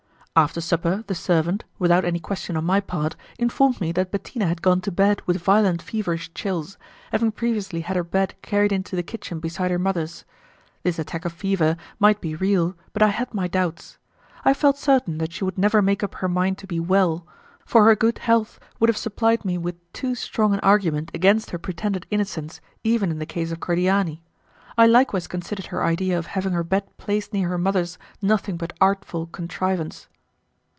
After supper the servant, without any question on my part, informed me that Bettina had gone to bed with violent feverish chills, having previously had her bed carried into the kitchen beside her mother's. This attack of fever might be real, but I had my doubts. I felt certain that she would never make up her mind to be well, for her good health would have supplied me with too strong an argument against her pretended innocence, even in the case of Cordiani; I likewise considered her idea of having her bed placed near her mother's nothing but artful contrivance.